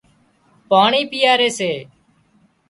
پاڻي پيئاري سي